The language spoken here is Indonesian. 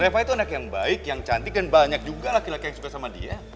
eva itu anak yang baik yang cantik dan banyak juga laki laki yang suka sama dia